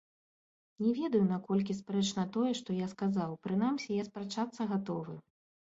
Не ведаю, наколькі спрэчна тое, што я сказаў, прынамсі, я спрачацца гатовы.